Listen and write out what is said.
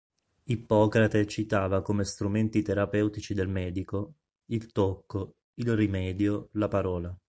Ippocrate citava come strumenti terapeutici del medico: il tocco, il rimedio, la parola.